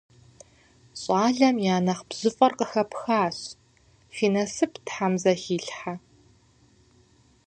Щӏалэм я нэхъ бжьыфӏэр къыхэпхащ, фи насып тхьэм зэхилъхьэ.